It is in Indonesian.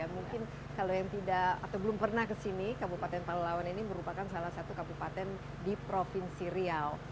mungkin kalau yang tidak atau belum pernah kesini kabupaten palawan ini merupakan salah satu kabupaten di provinsi riau